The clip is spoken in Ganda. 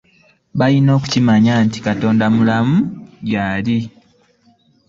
Baalina okukimanya nti Katonda omulamu gyali.